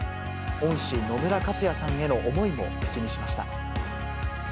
恩師、野村克也さんへの思いも口にしました。